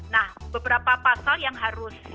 nah beberapa pasal yang harus